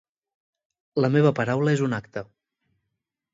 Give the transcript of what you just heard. La meva paraula és un acte.